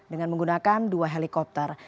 dengan menggunakan dua helikopter